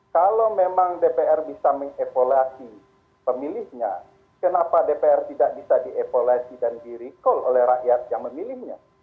kalau memang dpr bisa mengevaluasi pemilihnya kenapa dpr tidak bisa dievaluasi dan di recall oleh rakyat yang memilihnya